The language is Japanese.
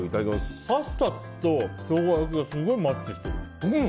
パスタとショウガ焼きがすごいマッチしてる。